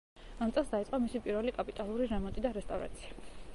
ამ წელს დაიწყო მისი პირველი კაპიტალური რემონტი და რესტავრაცია.